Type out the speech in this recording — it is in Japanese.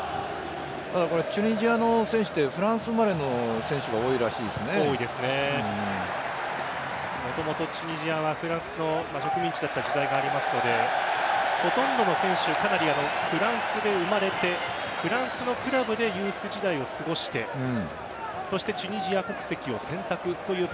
チュニジアの選手ってフランス生まれの選手がもともとチュニジアはフランスの植民地だった時代がありますのでほとんどの選手かなりフランスで生まれてフランスのクラブでユース時代を過ごしてそしてチュニジア国籍を選択という